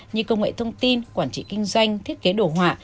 như công nghệ thông tin quản trị kinh doanh thiết kế đồ họa